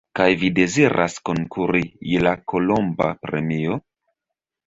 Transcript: Kaj vi deziras konkuri je la kolomba premio?